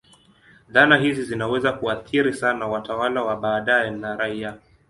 Dhana hizi zinaweza kuathiri sana watawala wa baadaye na raia.